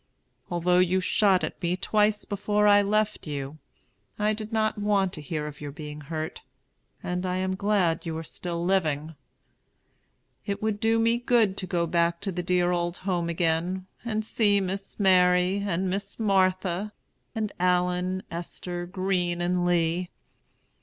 Although you shot at me twice before I left you, I did not want to hear of your being hurt, and am glad you are still living. It would do me good to go back to the dear old home again, and see Miss Mary and Miss Martha and Allen, Esther, Green, and Lee.